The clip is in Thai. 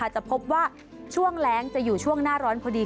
จะพบว่าช่วงแรงจะอยู่ช่วงหน้าร้อนพอดี